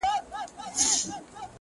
• یوه بل ته په خوږه ژبه ګویان سول ,